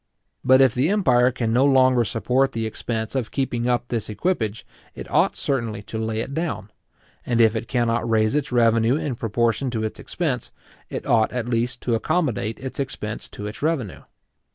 But if the empire can no longer support the expense of keeping up this equipage, it ought certainly to lay it down; and if it cannot raise its revenue in proportion to its expense, it ought at least to accommodate its expense to its revenue.